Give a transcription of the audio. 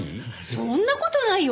そんな事ないよ。